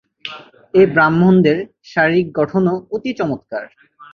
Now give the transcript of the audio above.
এই ব্রাহ্মণদের শারীরিক গঠনও অতি চমৎকার।